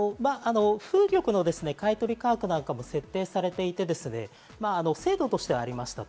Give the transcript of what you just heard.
風力の買取価格なんかも設定されていて制度としてはありました。